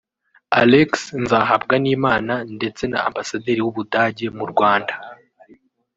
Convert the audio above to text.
Alex Nzahabwanimana ndetse na Ambasaderi w’u Budage mu Rwanda